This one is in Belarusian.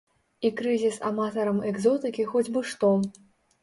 І крызіс аматарам экзотыкі хоць бы што.